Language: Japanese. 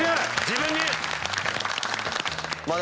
自分に！